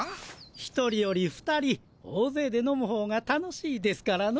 １人より２人大ぜいで飲むほうが楽しいですからの。